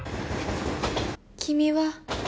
「君は」。